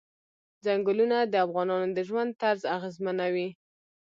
ځنګلونه د افغانانو د ژوند طرز اغېزمنوي.